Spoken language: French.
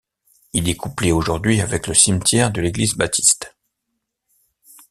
Il est couplé aujourd'hui avec le cimetière de l'église baptiste.